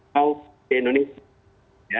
mau di indonesia